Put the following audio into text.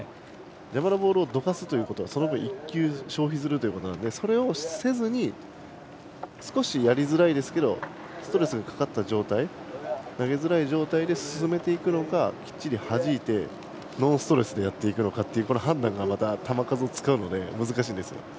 邪魔なボールをどかすということは、その分１球消費するということなのでそれをせずにやりづらいですがストレスがかかった状態投げづらい状態で進めていくのかきっちりはじいてノンストレスでやっていくのかという判断がまた球数を使うので難しいんですよ。